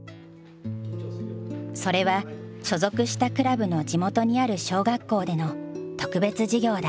それは所属したクラブの地元にある小学校での特別授業だ。